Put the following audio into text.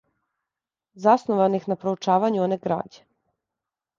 заснованих на проучавању оне грађе